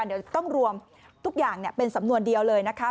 เดี๋ยวต้องรวมทุกอย่างเป็นสำนวนเดียวเลยนะคะ